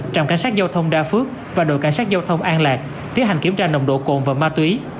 trạm cảnh sát giao thông đa phước và đội cảnh sát giao thông an lạc tiến hành kiểm tra nồng độ cồn và ma túy